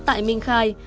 tại minh khai